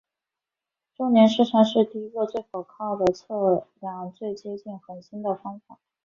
周年视差是第一个最可靠的测量最接近恒星的方法。